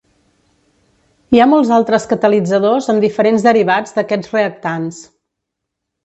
Hi ha molts altres catalitzadors amb diferents derivats d'aquests reactants.